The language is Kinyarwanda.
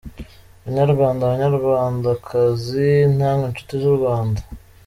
Banyarwanda, Banyarwandakazi, namwe nshuti z’u Rwanda,